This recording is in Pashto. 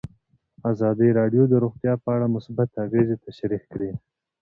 ازادي راډیو د روغتیا په اړه مثبت اغېزې تشریح کړي.